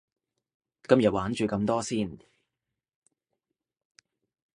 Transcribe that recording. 今日玩住咁多先